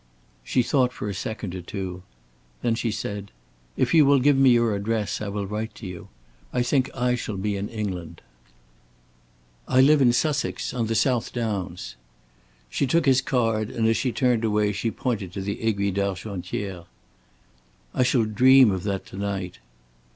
She thought for a second or two. Then she said: "If you will give me your address, I will write to you. I think I shall be in England." "I live in Sussex, on the South Downs." She took his card, and as she turned away she pointed to the Aiguille d'Argentière. "I shall dream of that to night."